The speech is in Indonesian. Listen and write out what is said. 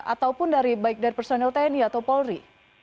ataupun baik dari personel tni atau polri